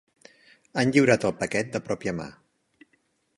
Han lliurat el paquet de pròpia mà.